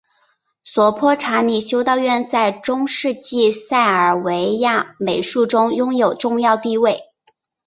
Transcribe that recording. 索泼查尼修道院在中世纪塞尔维亚美术中拥有重要地位。